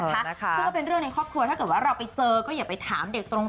ซึ่งก็เป็นเรื่องในครอบครัวถ้าเกิดว่าเราไปเจอก็อย่าไปถามเด็กตรง